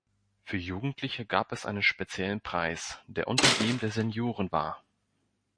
Für Jugendliche gab es einen speziellen Preis, der unter dem der Senioren war.